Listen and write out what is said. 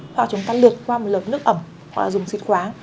hoặc chúng ta lượt qua một lợp nước ẩm hoặc dùng xịt khoáng